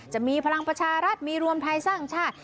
จะมีพลังประชารัฐมีรวมไทยสร้างชาติ